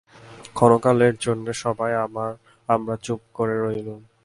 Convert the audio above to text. ক্ষণকালের জন্যে সবাই আমরা চুপ করে রইলুম।